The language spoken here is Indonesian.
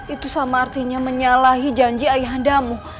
itu sama artinya menyalahi janji ayah andamu